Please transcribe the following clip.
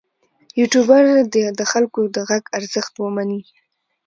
یوټوبر دې د خلکو د غږ ارزښت ومني.